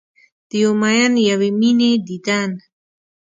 د یو میین یوې میینې دیدن